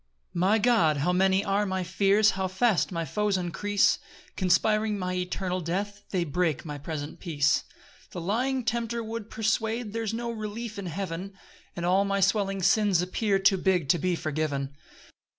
1 My God, how many are my fears! How fast my foes increase! Conspiring my eternal death, They break my present peace. 2 The lying tempter would persuade There's no relief in heaven; And all my swelling sins appear Too big to be forgiven.